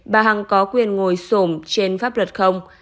bà hằng có quyền ngồi sổm trên pháp luật không